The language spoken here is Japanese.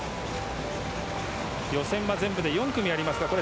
予選は全部で４組あります。